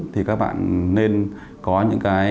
thì các bạn nên có những cái